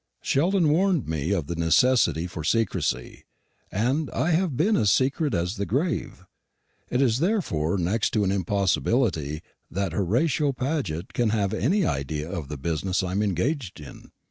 Sheldon warned me of the necessity for secrecy, and I have been as secret as the grave. It is therefore next to an impossibility that Horatio Paget can have any idea of the business I am engaged in.